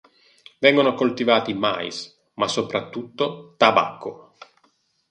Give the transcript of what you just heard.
Vengono coltivati mais, ma soprattutto tabacco.